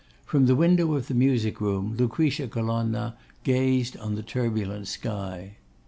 From the window of the music room Lucretia Colonna gazed on the turbulent sky.